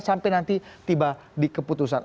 sampai nanti tiba di keputusan